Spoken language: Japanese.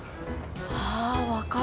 ああ分かる。